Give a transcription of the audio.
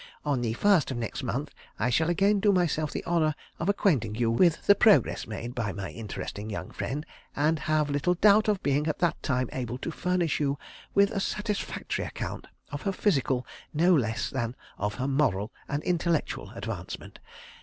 On the 1st of next month I shall again do myself the honour of acquainting you with the progress made by my interesting young friend, and have little doubt of being at that time able to furnish you with a satisfactory account of her physical no less than of her moral and intellectual advancement.